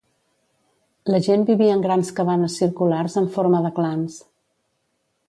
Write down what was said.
La gent vivia en grans cabanes circulars en forma de clans.